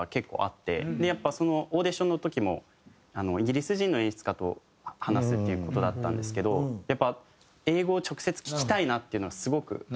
やっぱそのオーディションの時もイギリス人の演出家と話すっていう事だったんですけどやっぱ英語を直接聞きたいなっていうのがすごく。